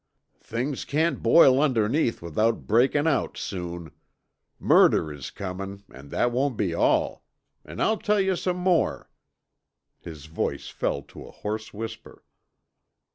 "Things can't boil underneath without breakin' out soon. Murder is comin' an' that won't be all. And I'll tell yuh some more." His voice fell to a hoarse whisper.